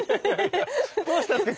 どうしたんですか？